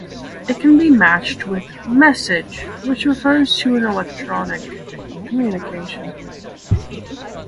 It can be matched with "message" which refers to an electronic communication.